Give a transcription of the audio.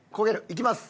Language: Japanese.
いきます！